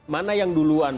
mana yang duluan